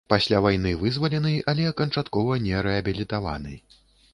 Пасля вайны вызвалены, але канчаткова не рэабілітаваны.